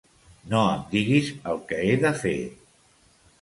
No em diguis el que he de fer!